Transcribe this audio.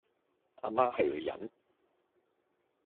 阿媽係女人